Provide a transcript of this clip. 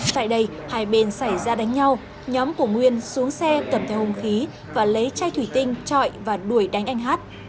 tại đây hai bên xảy ra đánh nhau nhóm của nguyên xuống xe cầm theo hung khí và lấy chai thủy tinh trọi và đuổi đánh anh hát